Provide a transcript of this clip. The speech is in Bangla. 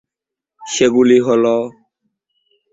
সেগুলি হল-